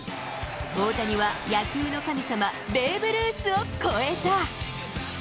大谷は野球の神様、ベーブ・ルースを超えた。